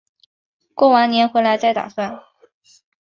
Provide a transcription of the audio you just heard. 过完年回来再打算